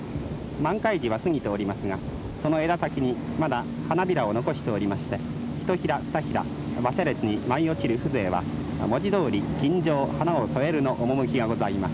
満開時は過ぎておりますがその枝先にまだ花びらを残しておりましてひとひらふたひら馬車列に舞い落ちる風情は文字どおり錦上花を添えるの趣がございます」。